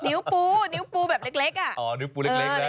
นิ้วปูนิ้วปูแบบเล็กอ่ะอ๋อนิ้วปูเล็กเลย